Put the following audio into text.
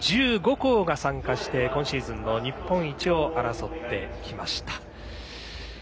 １５校が参加して今シーズンの日本一を争ってきました。